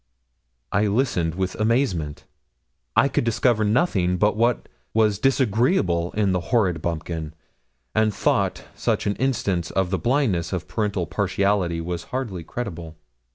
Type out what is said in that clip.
I listened with amazement. I could discover nothing but what was disagreeable in the horrid bumpkin, and thought such an instance of the blindness of parental partiality was hardly credible.